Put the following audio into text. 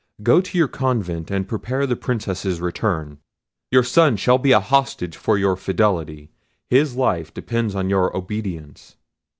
Go to your convent and prepare the Princess's return. Your son shall be a hostage for your fidelity: his life depends on your obedience."